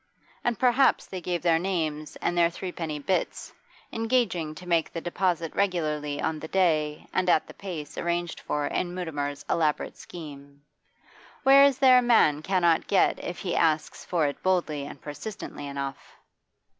And perhaps they gave their names and their threepenny bits, engaging to make the deposit regularly on the day and at the place arranged for in Mutimer's elaborate scheme. What is there a man cannot get if he asks for it boldly and persistently enough?